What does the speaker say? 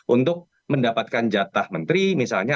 untuk mendapatkan jatah menteri misalnya